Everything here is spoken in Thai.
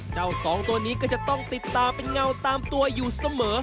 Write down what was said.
สองตัวนี้ก็จะต้องติดตามเป็นเงาตามตัวอยู่เสมอ